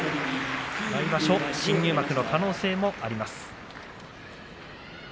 来場所、新入幕の可能性もあります。